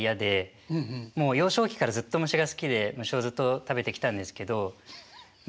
もう幼少期からずっと虫が好きで虫をずっと食べてきたんですけどまあ